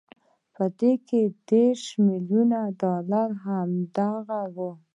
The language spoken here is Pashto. په دې کې دوه دېرش ميليونه ډالر هماغه وو.